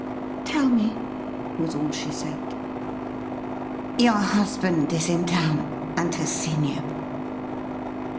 ' Tell me,' was all she said. ' Your husband is in town, and has seen you.'